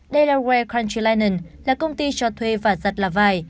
delaware country linen là công ty cho thuê và giật là vài